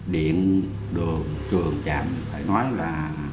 điện đường trường chạm phải nói là